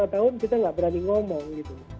dua tiga empat lima tahun kita gak berani ngomong gitu